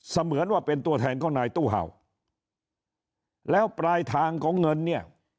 เหมือนว่าเป็นตัวแทนของนายตู้เห่าแล้วปลายทางของเงินเนี่ย